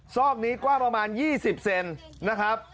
ซอกนี้กว้างประมาณ๒๐เซนนะครับ